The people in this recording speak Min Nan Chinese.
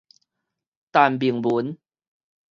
陳明文